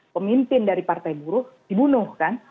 pemimpin dari partai buruh dibunuh kan